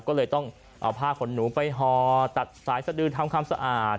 ก็เลยต้องเอาผ้าขนหนูไปห่อตัดสายสดือทำความสะอาด